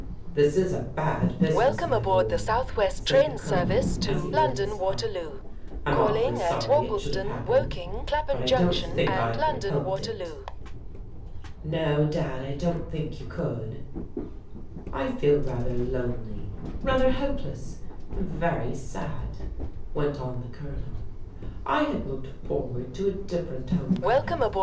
" This is a bad business, my boy," said the Colonel as he lit his pipe. " I'm awfully sorry it should have hap pened, but I don't think I could have helped it.'* " No, Dad, I don't think you could." "I feel rather lonely, rather helpless, and very sad," went on the Colonel. " I had looked forward to a differ ent home coming.